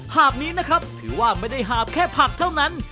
หาบนี้นะครับถือว่าไม่ได้หาบแค่ผักเท่านั้น